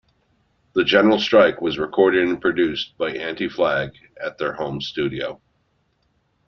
The General Strike was recorded and Produced by Anti-Flag at their home studio.